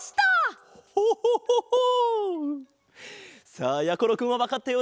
さあやころくんはわかったようだぞ。